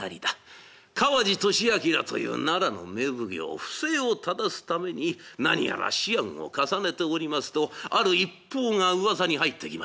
川路聖謨という奈良の名奉行不正をただすために何やら思案を重ねておりますとある一報がうわさに入ってきました。